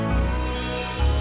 gue harus lebih sabar